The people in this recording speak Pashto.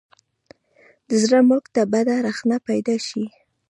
د زړه ملک ته بده رخنه پیدا شي.